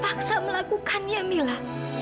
paksa melakukannya mila